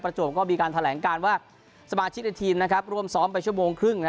จวบก็มีการแถลงการว่าสมาชิกในทีมร่วมซ้อมไปชั่วโมงครึ่ง